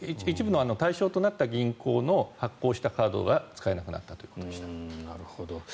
一部の対象となった銀行の発行したカードが使えなくなったということです。